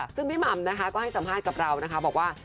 ซึ่งพี่หม่ำนะคะก็ให้สัมภาษณ์กับเรานะคะบอกว่า